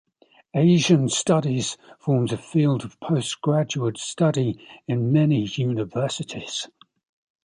Asian studies forms a field of post-graduate study in many universities.